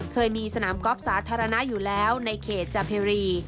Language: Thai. เคยมีสนามกอล์ฟสาธารณะอยู่แล้วในเขตจาเพรี